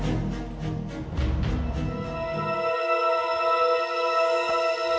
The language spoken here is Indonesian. dan di sini